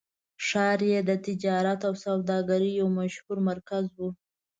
ښار یې د تجارت او سوداګرۍ یو مشهور مرکز و.